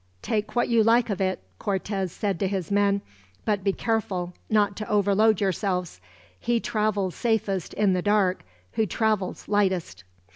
"Take what you like of it!" Cortez said to his men, "but be careful not to overload yourselves. 'He travels safest, in the dark, who travels lightest.'"